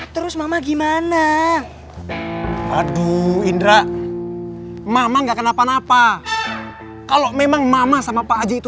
terus mama gimana aduh indra mama enggak kenapa napa kalau memang mama sama pak haji itu